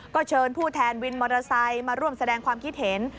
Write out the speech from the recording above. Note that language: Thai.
ก็เชิญผู้แทนวินมอเตอร์ไซค์มาร่วมแสดงความคิดเห็น